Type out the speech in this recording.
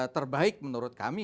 terbaik menurut kami